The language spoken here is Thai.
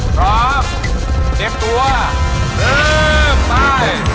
พร้อมเก็บตัวเริ่มไป